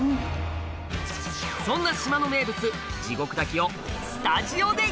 そんな島の名物地獄だきをスタジオで！